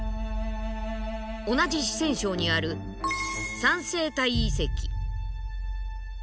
同じ四川省にある三星堆遺跡。